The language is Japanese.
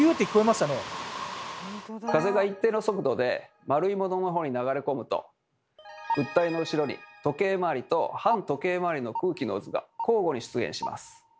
風が一定の速度で丸いものの方に流れ込むと物体の後ろに時計回りと反時計回りの空気の渦が交互に出現します。